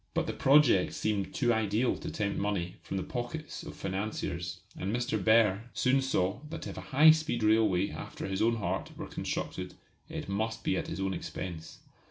But the project seemed too ideal to tempt money from the pockets of financiers, and Mr. Behr soon saw that if a high speed railway after his own heart were constructed it must be at his own expense.